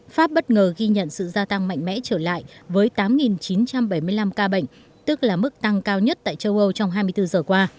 pháp bất ngờ ghi nhận sự gia tăng mạnh mẽ trở lại với tám chín trăm bảy mươi năm ca bệnh tức là mức tăng cao nhất tại châu âu trong hai mươi bốn giờ qua